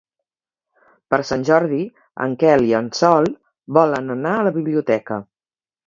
Per Sant Jordi en Quel i en Sol volen anar a la biblioteca.